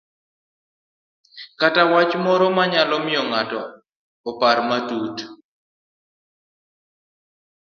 kata wach moro manyalo miyo ng'ato opar matut